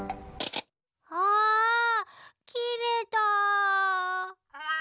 あきれた。